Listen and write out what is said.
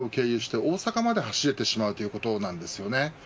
これは東京から新東名を経由して大阪まで走れてしまうということなんです。